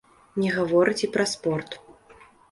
Не гаворыць і пра спорт.